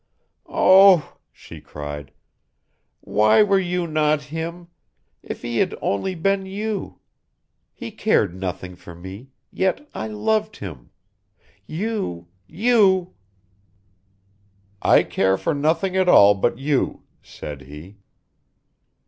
"Oh," she cried, "why were you not him if he had only been you. He cared nothing for me, yet I loved him you you " "I care for nothing at all but you," said he.